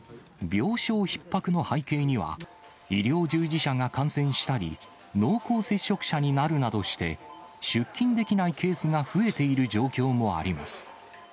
病床ひっ迫の背景には、医療従事者が感染したり、濃厚接触者になるなどして出勤できないケースが増えている状況もあります。